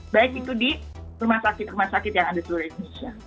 baik itu di rumah sakit rumah sakit yang ada seluruh indonesia